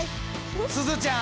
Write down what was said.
すずちゃん